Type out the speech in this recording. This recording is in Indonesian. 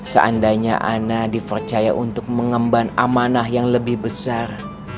seandainya ana dipercaya untuk mengemban amanah yang lebih besar